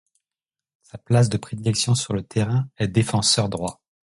Sa place de prédilection sur le terrain est défenseur droit.